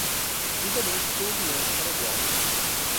Libanês, Colombiano, Paraguaio